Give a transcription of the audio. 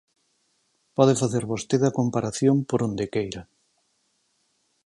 Pode facer vostede a comparación por onde queira.